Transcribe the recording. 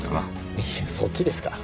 いやそっちですか。